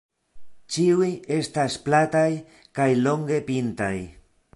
Ĉiuj estas plataj kaj longe pintaj.